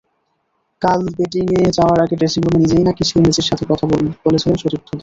কাল ব্যাটিংয়ে যাওয়ার আগে ড্রেসিংরুমে নিজেই নাকি সেই ম্যাচের কথা বলেছিলেন সতীর্থদের।